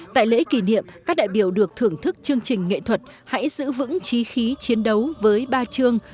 tại lễ kỷ niệm các đại biểu được thưởng thức chương trình nghệ thuật hãy giữ vững trí khí chiến đấu với ba chương